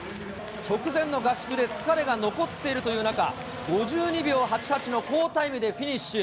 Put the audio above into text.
直前の合宿で疲れが残っているという中、５２秒８８の好タイムでフィニッシュ。